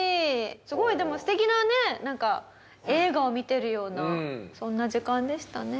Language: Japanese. すごいでも素敵なねなんか映画を見てるようなそんな時間でしたね。